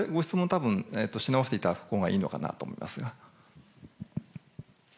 たぶん、し直していただくほうがいいのかなと思いますが。